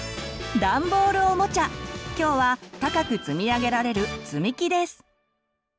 今日は高く積み上げられる「つみき」です。